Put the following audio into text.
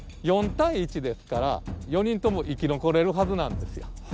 ４対１ですから４人とも生き残れるはずなんですよ。